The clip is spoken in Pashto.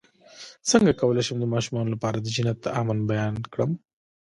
څنګه کولی شم د ماشومانو لپاره د جنت د امن بیان کړم